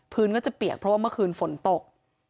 ก็จะเปียกเพราะว่าเมื่อคืนฝนตก